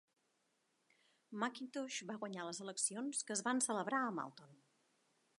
McIntosh va guanyar les eleccions, que es van celebrar a Malton.